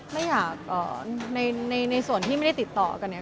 ไม่อยากในส่วนที่ไม่ได้ติดต่อกันเนี่ย